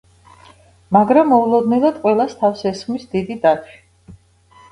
მაგრამ მოულოდნელად ყველას თავს ესხმის დიდი დათვი.